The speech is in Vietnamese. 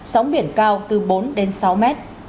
sóng biển cao từ bốn đến sáu m